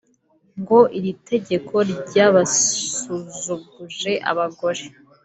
ngo iri tegeko ryabasuzuguje abagore